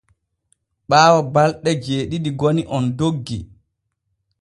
Ɓaawo balɗe jeeɗiɗi goni on doggi.